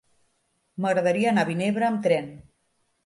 M'agradaria anar a Vinebre amb tren.